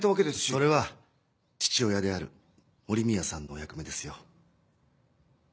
それは父親である森宮さんの役目ですよ。